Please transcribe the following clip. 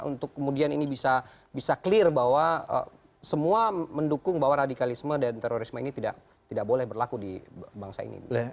untuk kemudian ini bisa clear bahwa semua mendukung bahwa radikalisme dan terorisme ini tidak boleh berlaku di bangsa ini